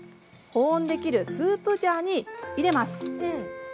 保温できるスープジャーに入れます。